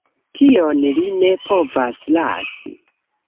Tion li ne povas lasi!